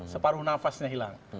separuh nafasnya hilang